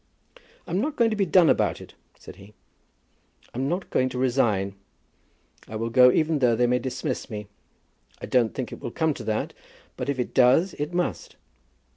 "I'm not going to be done about it," said he. "I'm not going to resign, but I will go even though they may dismiss me. I don't think it will come to that, but if it does it must."